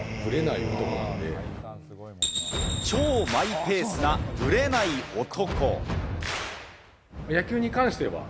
超マイペースなブレない男。